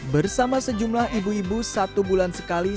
bersama sejumlah ibu ibu satu bulan sekali